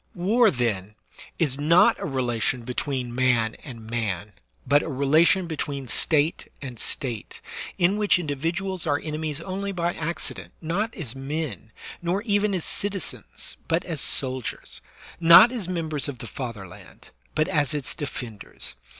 War, then, is not a relation between man and man, but a relation between State and State, in which individuals are enemies only by accident, not as men, nor even as citizens, but as soldiers; not as members of the father land, but as its defenders.